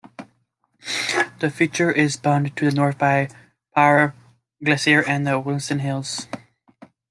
The feature is bounded to the north by Pryor Glacier and the Wilson Hills.